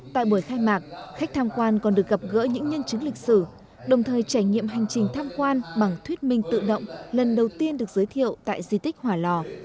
tại buổi khai mạc khách tham quan còn được gặp gỡ những nhân chứng lịch sử đồng thời trải nghiệm hành trình tham quan bằng thuyết minh tự động lần đầu tiên được giới thiệu tại di tích hỏa lò